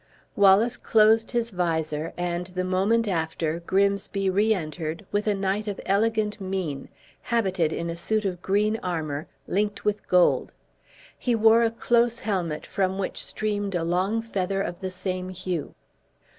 Wallace closed his visor, and the moment after Grimsby reentered, with a knight of elegant mien, habited in a suit of green armor, linked with gold. He wore a close helmet, from which streamed a long feather, of the same hue.